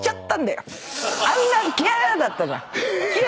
あんなキャ！だったじゃん。キャ！